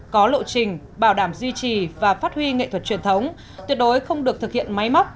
có lộ trình bảo đảm duy trì và phát huy nghệ thuật truyền thống tuyệt đối không được thực hiện máy móc